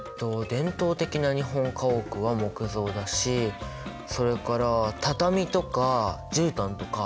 伝統的な日本家屋は木造だしそれから畳とかじゅうたんとかフローリングの床なんかも？